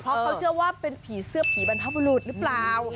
เพราะเขาเชื่อว่าเป็นผีเสื้อผีบรรพบุรุษหรือเปล่า